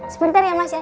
sebentar ya mas ya